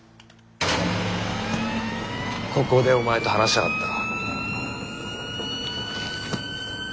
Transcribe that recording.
ここでお前と話したかった。